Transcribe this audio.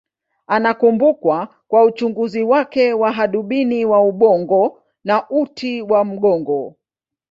Anakumbukwa kwa uchunguzi wake wa hadubini wa ubongo na uti wa mgongo.